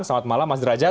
selamat malam mas derajat